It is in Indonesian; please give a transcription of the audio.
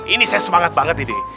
ini saya semangat banget ini